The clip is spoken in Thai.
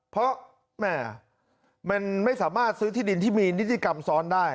เพราะแม่มันไม่สามารถซื้อที่ดินที่มีนิติกรรมซ้อนได้